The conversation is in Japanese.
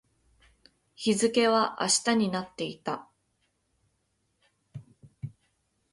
日付は明日になっていた